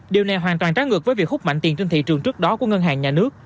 điều này hoàn toàn trái ngược với việc hút mạnh tiền trên thị trường trước đó của ngân hàng nhà nước